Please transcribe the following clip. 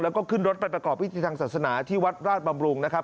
แล้วก็ขึ้นรถไปประกอบพิธีทางศาสนาที่วัดราชบำรุงนะครับ